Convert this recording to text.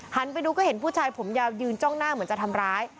ไปดูก็เห็นผู้ชายผมยาวยืนจ้องหน้าเหมือนจะทำร้าย